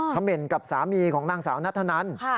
เขม่นกับสามีของนางสาวนัทธนัน